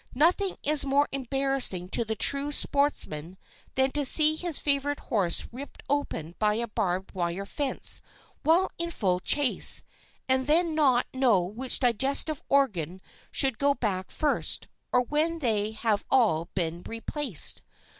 Nothing is more embarrassing to the true sportsman than to see his favorite horse ripped open by a barbed wire fence while in full chase, and then not know which digestive organ should go back first, or when they have all been replaced.